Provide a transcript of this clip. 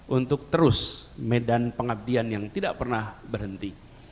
untuk terus medan pengabdian yang tidak pernah berhenti